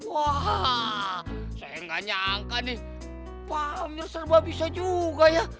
wah saya nggak nyangka nih pak amir serba bisa juga ya